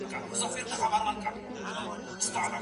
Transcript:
افغانستان به د زعفرانو مرکز وي.